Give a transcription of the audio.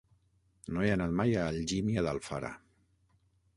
No he anat mai a Algímia d'Alfara.